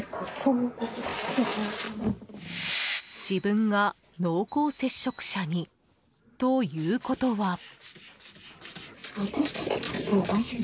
自分が濃厚接触者に。ということは。